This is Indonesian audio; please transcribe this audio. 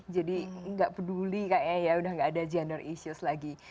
jadi gak peduli kayaknya ya udah gak ada gender issues lagi